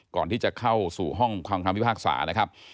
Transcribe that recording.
ก่อนที่จะเข้าสู่ห้องความคำพิพากษานะครับ